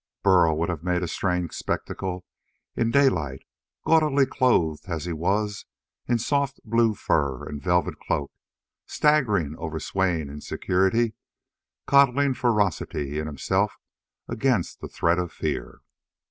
Burl would have made a strange spectacle in daylight gaudily clothed as he was in soft blue fur and velvet cloak, staggering over swaying insecurity, coddling ferocity in himself against the threat of fear.